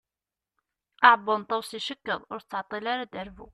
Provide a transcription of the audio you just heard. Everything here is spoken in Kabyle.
Aɛebbuḍ n Tawes icekkeḍ, ur tettɛeṭṭil ara ad d-terbu.